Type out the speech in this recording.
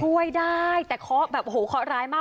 ช่วยได้แต่เคาะแบบโอ้โหเคาะร้ายมาก